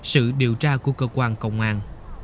sự điều tra của cơ quan công an